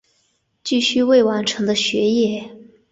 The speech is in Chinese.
继续未完成的学业